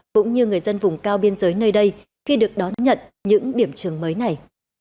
cũng như người dân vùng cao biên giới nơi đây khi được đón nhận những điểm trường mới này